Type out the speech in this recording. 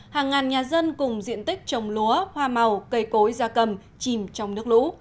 hàng ngàn nhà dân cùng diện tích trồng lúa hoa màu cây cối da cầm chìm trong nước lũ